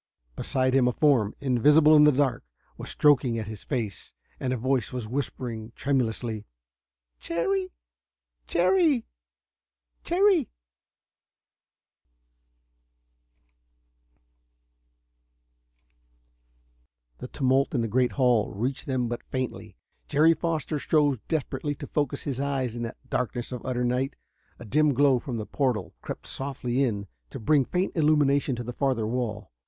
Beside him, a form, invisible in the dark, was stroking at his face, and a voice was whispering tremulously: "Cherrie ... Cherrie!" The tumult in the great hall reached them but faintly. Jerry Foster strove desperately to focus his eyes in that darkness of utter night. A dim glow from the portal crept softly in to bring faint illumination to the farther wall.